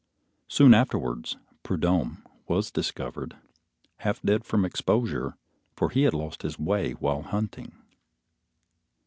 Soon afterwards Prudhomme was discovered, half dead from exposure, for he had lost his way while hunting.